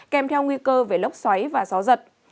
kèm theo nguy cơ về lốc xoáy và gió giật